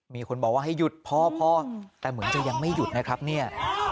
มีคนบอกว่าให้หยุดพ่อพ่อแต่เหมือนจะยังไม่หยุดนะครับเนี่ย